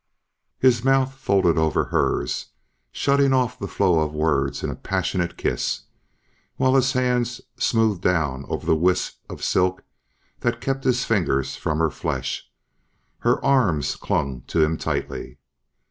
His mouth folded over hers, shutting off the flow of words in a passionate kiss, while his hands smoothed down over the wisp of silk that kept his fingers from her flesh. Her arms clung to him tightly.